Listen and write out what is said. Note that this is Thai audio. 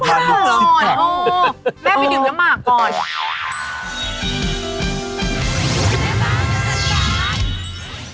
แม่ไปดินเยอะมากก่อน